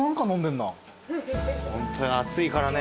ホントに暑いからね